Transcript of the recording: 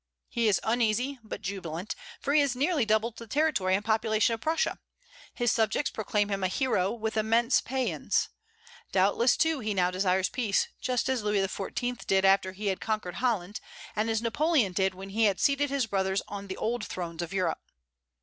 He is uneasy, but jubilant, for he has nearly doubled the territory and population of Prussia. His subjects proclaim him a hero, with immense paeans. Doubtless, too, he now desires peace, just as Louis XIV. did after he had conquered Holland, and as Napoleon did when he had seated his brothers on the old thrones of Europe.